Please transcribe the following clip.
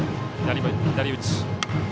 左打ち。